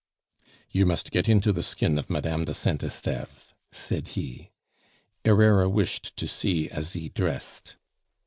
"You must get into the skin of Madame de Saint Esteve," said he. Herrera wished to see Asie dressed.